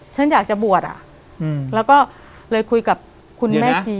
ฉันอยากจะบวชอ่ะแล้วก็เลยคุยกับคุณแม่ชี